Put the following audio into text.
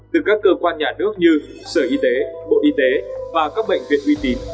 từ các cơ quan nhà nước như sở y tế bộ y tế và các bệnh viện uy tín